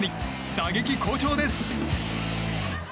打撃好調です。